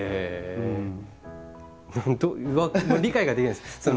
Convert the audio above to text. どうもう理解ができないです。